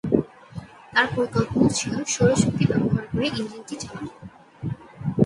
তার পরিকল্পনা ছিল সৌরশক্তি ব্যবহার করে ইঞ্জিনটি চালানো।